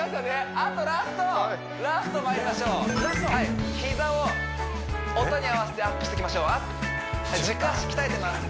あとラストラストまいりましょうはい膝を音に合わせてアップしていきましょうアップ軸足鍛えてます